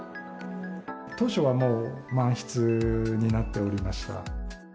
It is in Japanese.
当初はもう満室になっておりました。